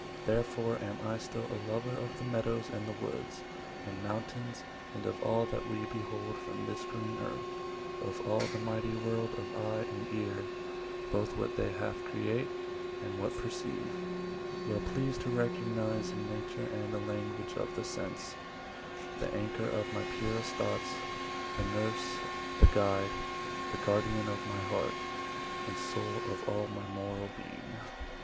Therefore am I still A lover of the meadows and the woods, And mountains; and of all that we behold From this green earth; of all the mighty world Of eye, and ear,–both what they half create, And what perceive; well pleased to recognise In nature and the language of the sense, The anchor of my purest thoughts, the nurse, The guide, the guardian of my heart, and soul 110 Of all my moral being.